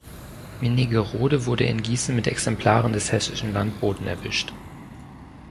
Minnigerode wurde in Gießen mit Exemplaren des Hessischen Landboten erwischt.